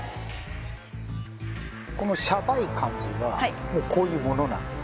このシャバい感じはもうこういうものなんです？